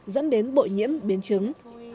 dẫn đến bội nhiễm biến chứng